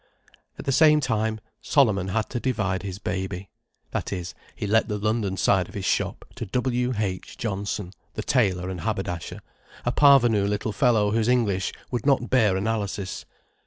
At the same time, Solomon had to divide his baby. That is, he let the London side of his shop to W. H. Johnson, the tailor and haberdasher, a parvenu little fellow whose English would not bear analysis.